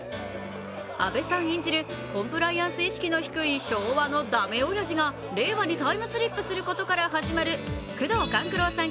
阿部さん演じるコンプライアンス意識の低い昭和の駄目親父が令和にタイムスリップすることから始まる宮藤官九郎さん